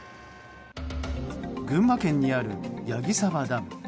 群馬県にある矢木沢ダム。